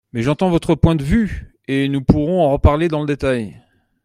Mais j’entends votre point de vue et nous pourrons en reparler dans le détail.